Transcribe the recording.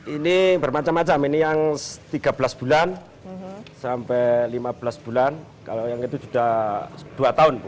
ini bermacam macam ini yang tiga belas bulan sampai lima belas bulan kalau yang itu sudah dua tahun